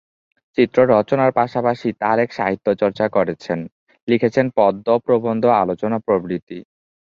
চিত্র রচনার পাশাপাশি তারেক সাহিত্যচর্চা করেছেন; লিখেছেন পদ্য, প্রবন্ধ, আলোচনা প্রভৃতি।